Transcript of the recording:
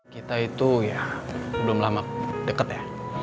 kita itu ya belum lama deket ya